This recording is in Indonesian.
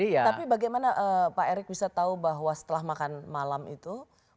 tapi bagaimana pak erick bisa tahu bahwa setelah makan malam itu